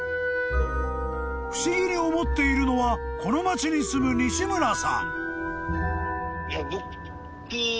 ［不思議に思っているのはこの町に住む西村さん］